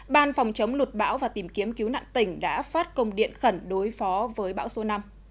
ban phòng chống lụt bão và tìm kiếm cứu nạn tỉnh đã phát công điện khẩn đối phó với bão số năm